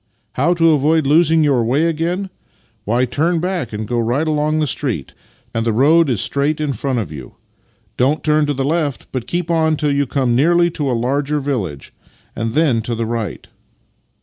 " How to avoid losing your way again? Why, turn back, go right along the street, and the road is c i8 Master and Man straight in front of you. Don't turn to the left, but keep on until you come nearly to a large village, and then — to the right."